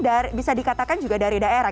mbak ratri ini kan bisa dikatakan juga dari daerah